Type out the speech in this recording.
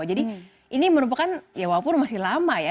jadi ini merupakan ya walaupun masih lama ya